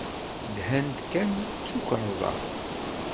Dhan-d kan d tukarḍa.